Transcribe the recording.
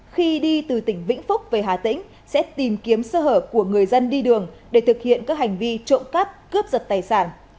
khi đi từ tỉnh vĩnh phúc về hà tĩnh sẽ tìm kiếm sơ hở của người dân đi đường để thực hiện các hành vi trộm cắp cướp giật tài sản